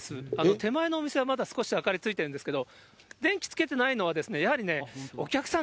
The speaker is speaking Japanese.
手前のお店はまだ少し明かりついてるんですけれども、電気つけてないのは、やはりね、お客さん